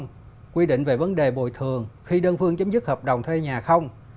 có điều khoản quy định về vấn đề bồi thường khi đơn phương chấm dứt hợp đồng thuê nhà không